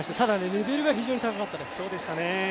レベルが非常に高かったです。